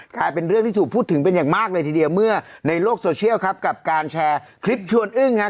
กลายเป็นเรื่องที่ถูกพูดถึงเป็นอย่างมากเลยทีเดียวเมื่อในโลกโซเชียลครับกับการแชร์คลิปชวนอึ้งฮะ